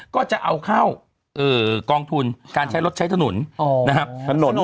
ก็จะเอาเข้ากองทุนการใช้รถใช้ถนนนะครับ